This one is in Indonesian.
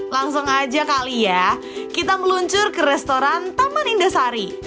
langsung aja kali ya kita meluncur ke restoran taman indah sari